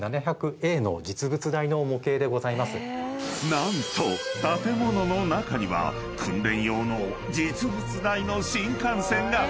［何と建物の中には訓練用の実物大の新幹線が］